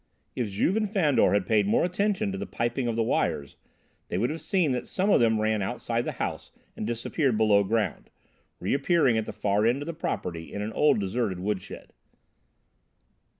If Juve and Fandor had paid more attention to the piping of the wires, they would have seen that some of them ran outside the house and disappeared below ground, reappearing at the far end of the property in an old deserted woodshed.